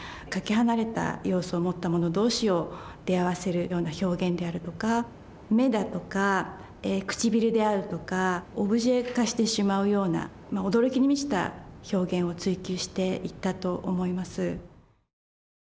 かけ離れた要素を持ったもの同士を出会わせるような表現であるとか目だとか唇であるとかオブジェ化してしまうような驚きに満ちた表現を追求していったと思います。